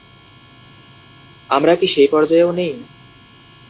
আমরা কি সেই পর্যায়েও নেই?